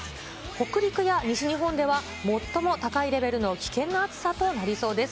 北陸や西日本では、最も高いレベルの危険な暑さとなりそうです。